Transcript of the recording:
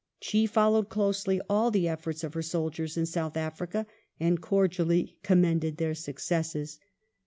She followed closely all the efforts of her soldiers in South Africa and cordially commended their successes.